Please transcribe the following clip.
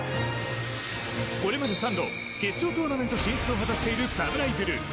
これまで３度決勝トーナメント進出を果たしているサムライブルー。